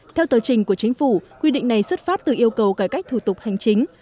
theo tờ trình của chính phủ quy định này xuất phát từ yêu cầu cải cách thủ tục hành chính